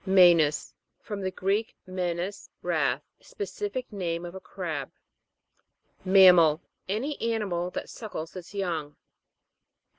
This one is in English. M^E'NAS. From the Greek, menis, wrath. Specific name of a crab. MAM'MAL. Any animal that suckles its young.